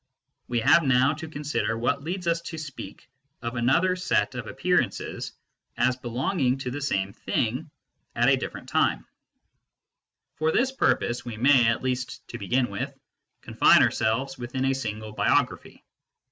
We have now to consider what leads us to speak of another set of appearances as belonging to the same " thing " at a different time. 170 MYSTICISM AND LOGIC For this purpose, we may, at least to begin with, confine ourselves within a single biography.